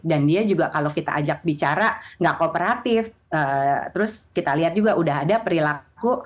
dan dia juga kalau kita ajak bicara nggak kooperatif terus kita lihat juga udah ada perilaku